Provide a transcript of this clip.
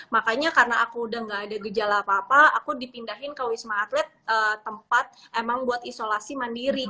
makanya karena aku udah gak ada gejala apa apa aku dipindahin ke wisma atlet tempat emang buat isolasi mandiri